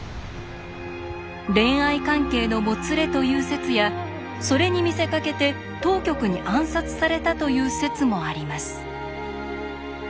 恋愛関係のもつれという説やそれに見せかけて当局に暗殺されたという説もあります。